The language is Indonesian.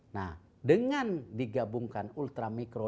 nah dengan digabungkan ultramikro